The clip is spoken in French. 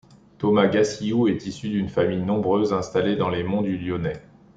Thomas Gassilloud est issu d'une famille nombreuse, installée dans les Monts du Lyonnais.